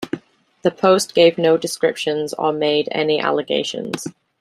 The post gave no descriptions or made any allegations.